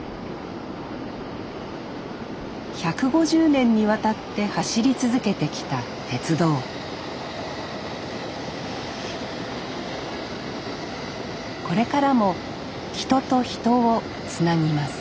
１５０年にわたって走り続けてきた鉄道これからも人と人をつなぎます